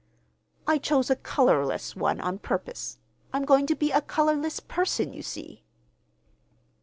"I chose a colorless one on purpose. I'm going to be a colorless person, you see."